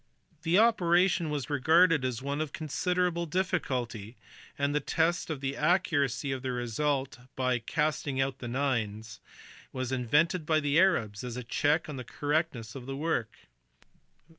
The operation was regarded as one of considerable difficulty, and the test of the accuracy of the result by "casting out the nines" was invented by the Arabs as a check on the correctness of the work.